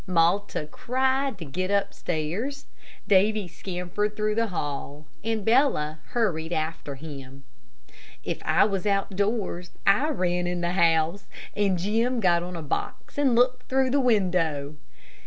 Malta cried to get upstairs, Davy scampered through the hall, and Bella hurried after him. If I was outdoors I ran in the house, and Jim got on a box and looked through the window.